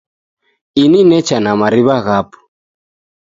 Ini necha na mari'wa ghapo.